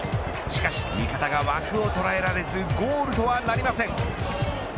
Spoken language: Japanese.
しかし味方が枠を捉えられずゴールとはなりません。